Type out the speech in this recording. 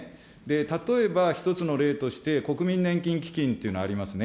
例えば、１つの例として国民年金基金というのはありますね。